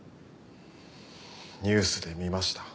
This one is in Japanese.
ニュースで見ました。